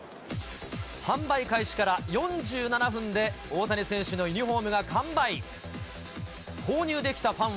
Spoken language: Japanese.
販売開始から４７分で、大谷選手のユニホームが完売。